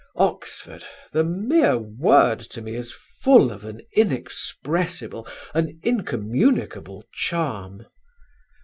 Oxford the mere word to me is full of an inexpressible, an incommunicable charm.